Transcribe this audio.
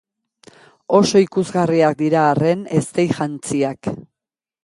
Oso ikusgarriak dira arren eztei-jantziak.